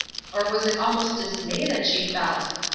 Or was it almost dismay that she felt?